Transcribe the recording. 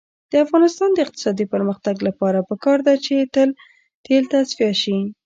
د افغانستان د اقتصادي پرمختګ لپاره پکار ده چې تیل تصفیه شي.